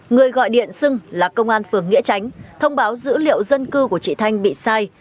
người gọi điện xưng là công an phường nghĩa tránh thông báo dữ liệu dân cư của chị thanh bị sai